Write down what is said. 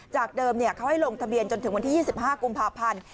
จากเดิมเขาให้ลงทะเบียนจนถึงวันที่๒๕กุมภาพันธ์